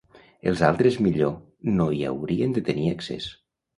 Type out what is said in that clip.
Els altres millor no hi haurien de tenir accés.